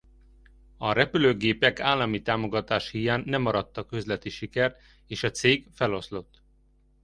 A repülőgépek állami támogatás híján nem arattak üzleti sikert és a cég feloszlott.